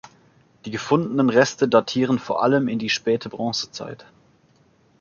Die gefundenen Reste datieren vor allem in die Späte Bronzezeit.